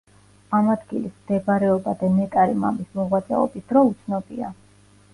ამ ადგილის მდებარეობა და ნეტარი მამის მოღვაწეობის დრო უცნობია.